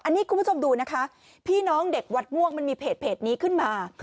อันนี้คุณผู้ชมดูนะคะพี่น้องเด็กวัดม่วงมันมีเพจนี้ขึ้นมา